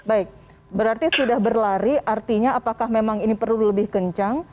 baik berarti sudah berlari artinya apakah memang ini perlu lebih kencang